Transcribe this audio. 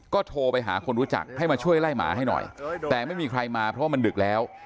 ก็โทรไปหาคนรู้จักให้มาช่วยไล่หมาให้หน่อยแต่ไม่มีใครมาเพราะว่ามันดึกแล้ว